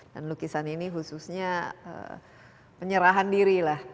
dan lukisan ini khususnya penyerahan diri lah